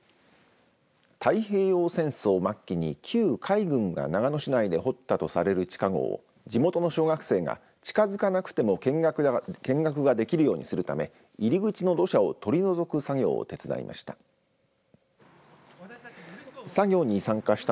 太平洋戦争末期に旧海軍が長野市内で掘ったとされる地下ごうを地元の小学生が近づかなくても見学ができるようにするために入り口の土砂を取り除く作業を手伝いました。